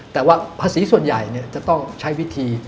แต่ว่าภาษีส่วนใหญ่จะต้องใช้วิธี